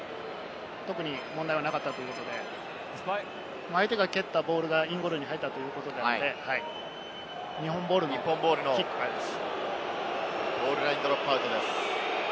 特に問題はなかったということで、相手が蹴ったボールがインゴールに入ったということで、日本ボールのキックです。